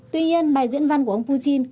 tuy nhiên bài diễn văn của ông putin